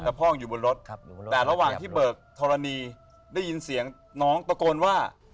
แต่พ่ออยู่บนรถแต่ระหว่างที่เบิกธรณีได้ยินเสียงน้องตะโกนว่า